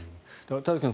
田崎さん